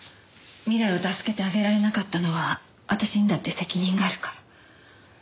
未来を助けてあげられなかったのは私にだって責任があるから。